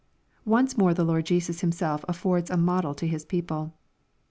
Once more the Lord Jesus Himself affords a model to His people.